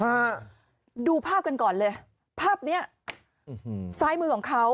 ฮะดูภาพกันก่อนเลยภาพเนี้ยอืมซ้ายมือของเขา